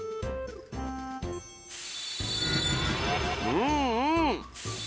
うんうん！